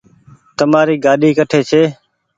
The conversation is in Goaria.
تمآري گآڏي ڪٺي ڇي